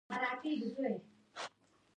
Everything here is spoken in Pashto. پارلمان باید په دې موضوع کې شامل کړل شي.